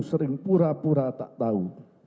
sering pura pura tak tahu